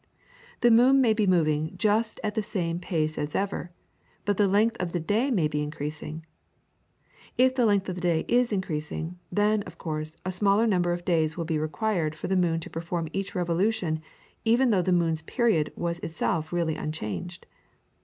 The moon may be moving just at the same pace as ever, but the length of the day may be increasing. If the length of the day is increasing, then, of course, a smaller number of days will be required for the moon to perform each revolution even though the moon's period was itself really unchanged.